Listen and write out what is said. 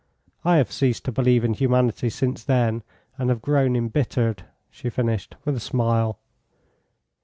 I have ceased to believe in humanity since then, and have grown embittered," she finished, with a smile.